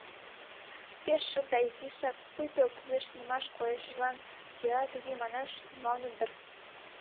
Пеш шып да изишак пуйто кугешныман койышыжлан кӧра туге манаш тӱҥалыныт дыр.